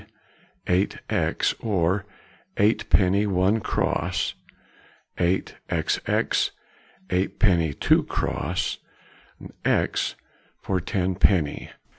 _; 8x, or eightpenny one cross; 8xx, eightpenny two cross; X for tenpenny.